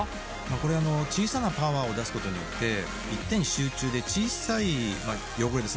これ小さなパワーを出すことによって一点集中で小さい汚れですね